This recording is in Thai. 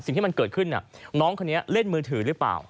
สิ่งที่มันเกิดขึ้นน้องคนนี้เล่นมือถือหรือเปล่า